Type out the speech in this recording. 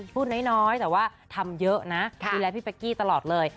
พูดน้อยแต่ว่าทำเยอะนะดูแลพี่เป๊กกี้ตลอดเลย